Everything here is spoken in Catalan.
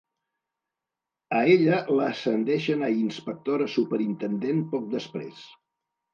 A ella l'ascendeixen a inspectora superintendent poc després.